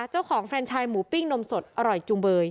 เจ้าของเฟรนชัยหมูปิ้งนมสดอร่อยจุมเบย